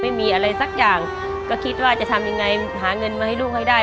ไม่มีอะไรสักอย่างก็คิดว่าจะทำยังไงหาเงินมาให้ลูกให้ได้